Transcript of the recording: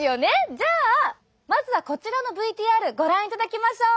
じゃあまずはこちらのＶＴＲご覧いただきましょう！